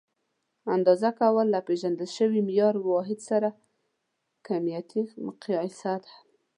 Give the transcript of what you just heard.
اندازه کول له پیژندل شوي معیاري واحد سره کمیتي مقایسه ده.